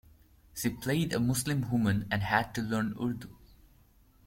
She played a Muslim woman and had to learn Urdu.